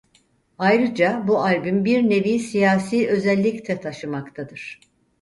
Ayrıca bu albüm bir nevi siyasi özellik te taşımaktadır.